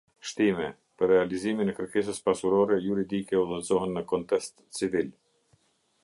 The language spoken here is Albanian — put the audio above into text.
Shtime, për realizimin e kërkesës pasurore juridike udhëzohen në kontest civil.